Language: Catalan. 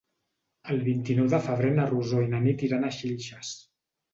El vint-i-nou de febrer na Rosó i na Nit iran a Xilxes.